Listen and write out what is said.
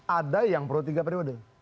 ada yang pro tiga periode